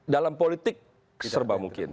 dalam politik serba mungkin